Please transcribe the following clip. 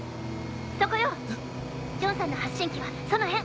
そこよジョンさんの発信機はその辺！